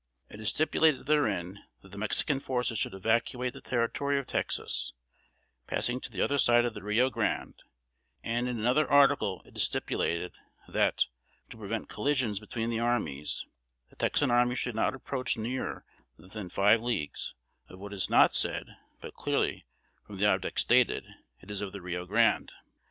It is stipulated therein that the Mexican forces should evacuate the Territory of Texas, passing to the other side of the Rio Grande; and in another article it is stipulated, that, to prevent collisions between the armies, the Texan army should not approach nearer than within five leagues, of what is not said; but clearly, from the object stated, it is of the Rio Grande.